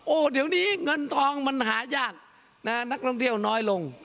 โอ้โหเดี๋ยวนี้เงินทองมันหายากนะนักท่องเที่ยวน้อยลง